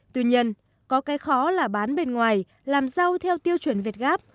tuy nhiên có cái khó là bán bên ngoài làm rau theo tiêu chuẩn việt gáp